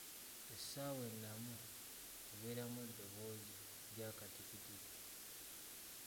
Essaawa ennamu ebeeramu eddoboozi ly'akatikitiki.